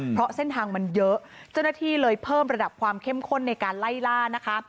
เพราะเส้นทางมันเยอะเจ้าหน้าที่เลยเพิ่มระดับความเข้มข้นในการไล่ล่านะคะ